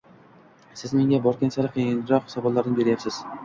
Siz menga borgan sari qiyinroq savollarni beryapsiz.